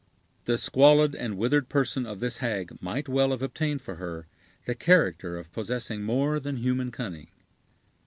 The squalid and withered person of this hag might well have obtained for her the character of possessing more than human cunning.